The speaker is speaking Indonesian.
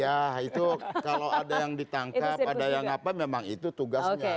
ya itu kalau ada yang ditangkap ada yang apa memang itu tugasnya